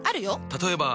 例えば。